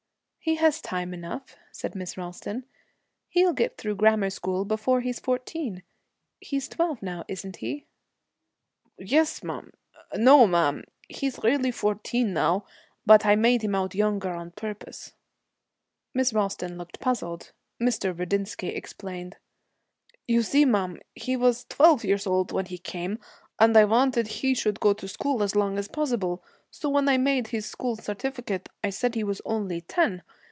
'He has time enough,' said Miss Ralston. 'He'll get through grammar school before he's fourteen. He's twelve now, isn't he?' 'Yes, ma'am no, ma'am! He's really fourteen now, but I made him out younger on purpose.' Miss Ralston looked puzzled. Mr. Rudinsky explained. 'You see, ma'am, he was twelve years when he came, and I wanted he should go to school as long as possible, so when I made his school certificate, I said he was only ten.